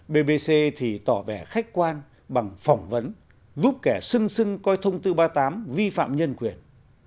bbc thì tỏ bẻ khách quan bằng phỏng vấn lúc kẻ sưng sưng coi thông tư ba mươi tám vi phạm nhân quyền